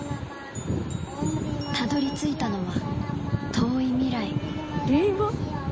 たどりついたのは遠い未来れいわ？